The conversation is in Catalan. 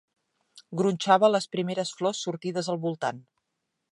Gronxava las primeres flors sortides al voltant